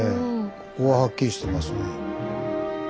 ここははっきりしていますね。